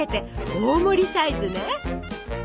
大盛りサイズね！